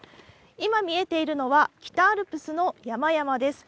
今見えているのは、北アルプスの山々です。